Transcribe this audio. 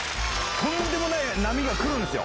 とんでもない波が来るんですよ。